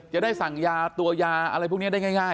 จะได้สั่งยาตัวยาอะไรพวกนี้ได้ง่าย